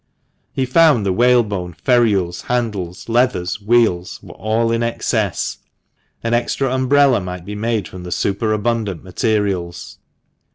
" He found the whalebone, ferrules, handles, leathers, wheels, were all in excess. An extra umbrella might be made from the superabundant materials.